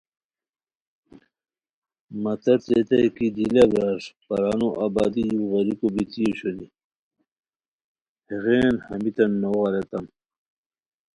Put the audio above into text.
مہ تت ریتائے کی دی لہ برار پرانو آبادی یو غیریکو بیتی اوشونی، ہتیغین ہمیتان نوغ اریتام